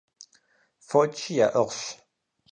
Фочи яӀыгъщ.